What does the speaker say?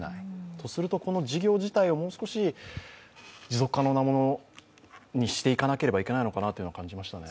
とすると、この事業自体をもう少し持続可能なものにしていかなければいけないのかなと感じましたね。